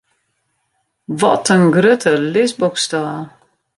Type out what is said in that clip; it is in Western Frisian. Wat in grutte lisboksstâl!